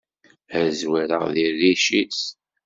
Ad zwireγ di rric-is!